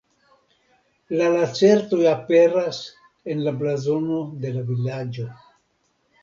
La lacertoj aperas en la blazono de la vilaĝo.